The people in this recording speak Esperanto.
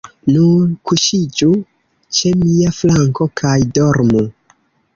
Nur kuŝiĝu ĉe mia flanko kaj dormu.